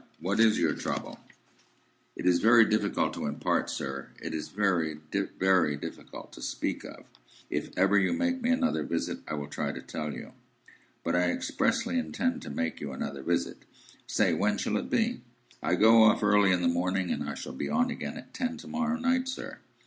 What is your trouble?" "It is very difficult to impart, sir. It is very, very difficult to speak of. If ever you make me another visit, I will try to tell you." "But I expressly intend to make you another visit. Say, when shall it be?" "I go off early in the morning, and I shall be on again at ten to morrow night, sir."